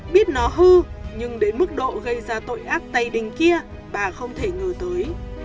biết nó hư nhưng đến mức độ gây ra tội ác tây đình kia bà không thể ngờ tới